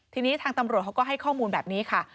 ทีนี้ทางตำรวจเขาก็ให้ข้อมูลแบบนี้ค่ะ